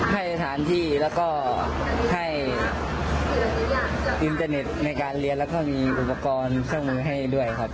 ให้สถานที่แล้วก็ให้อินเทอร์เน็ตในการเรียนแล้วก็มีอุปกรณ์เครื่องมือให้ด้วยครับ